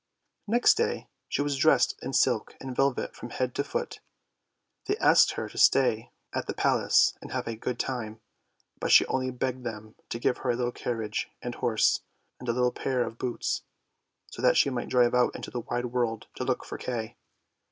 Next day she was dressed in silk and velvet from head to foot; they asked her to stay at the Palace and have a good time, but she only begged them to give her a little carriage and horse, and a little pair of boots, so that she might drive out into the wide world to look for Kay.